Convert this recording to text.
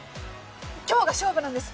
今日が勝負なんです